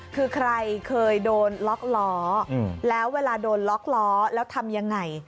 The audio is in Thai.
คือใครเคยโดนล็อกล้อแล้วเวลาโดนล็อกล้อแล้วทำยังไง